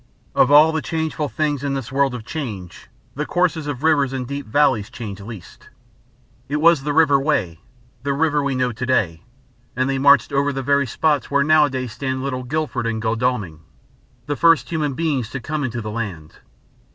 Of all the changeful things in this world of change, the courses of rivers in deep valleys change least. It was the river Wey, the river we know to day, and they marched over the very spots where nowadays stand little Guildford and Godalming the first human beings to come into the land.